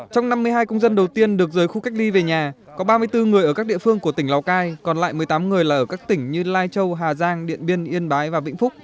trong năm mươi hai công dân đầu tiên được rời khu cách ly về nhà có ba mươi bốn người ở các địa phương của tỉnh lào cai còn lại một mươi tám người là ở các tỉnh như lai châu hà giang điện biên yên bái và vĩnh phúc